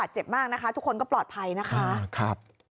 เจ็บมากนะคะทุกคนก็ปลอดภัยนะคะ